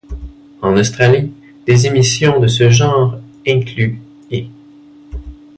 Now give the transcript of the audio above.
En Australie, des émissions de ce genre incluent ' et '.